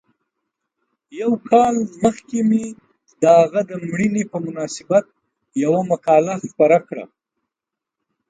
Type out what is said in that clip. یو کال مخکې مې د هغه د مړینې په مناسبت یوه مقاله خپره کړه.